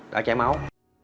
đã chảy máu